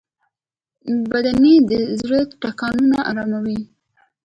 بېنډۍ د زړه ټکانونه آراموي